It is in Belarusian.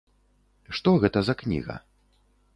Што гэта за кніга?